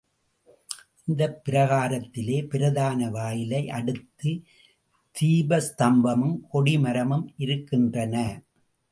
இந்தப் பிராகாரத்திலே பிரதான வாயிலை அடுத்து தீபஸ்தம்பமும் கொடி மரமும் இருக்கின்றன.